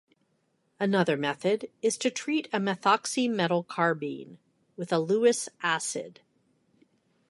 Another method is to treat a methoxy metal carbene with a Lewis acid.